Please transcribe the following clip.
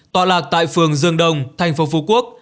tọa lạc tại phường dương đông thành phố phú quốc